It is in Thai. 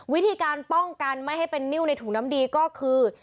วิธีการป้องกันไม่ให้เป็นนิ้วในถุงน้ำดีก็คือ